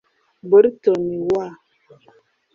Bolton W